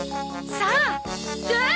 さあ！